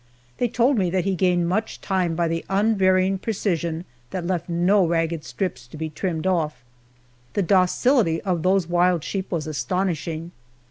They told me that he gained much time by the unvarying precision that left no ragged strips to be trimmed off. The docility of those wild sheep was astonishing.